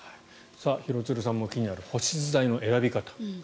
廣津留さんも気になる保湿剤の選び方。